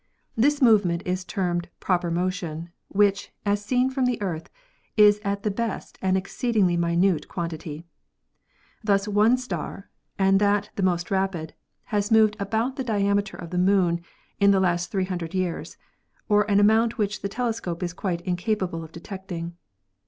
This movement is termed proper motion, which, as seen from the Earth, is at the best an exceed ingly minute quantity. Thus one star, and that the most rapid, has moved about the diameter of the Moon in the last 300 years, or an amount which the telescope is quite incapable of detecting.